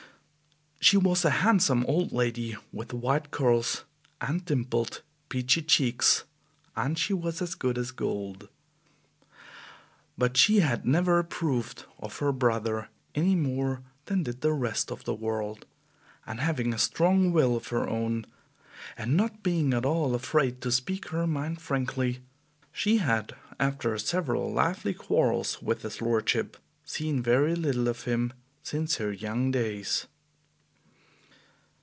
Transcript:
She was a handsome old lady with white curls and dimpled, peachy cheeks, and she was as good as gold, but she had never approved of her brother any more than did the rest of the world, and having a strong will of her own and not being at all afraid to speak her mind frankly, she had, after several lively quarrels with his lordship, seen very little of him since her young days.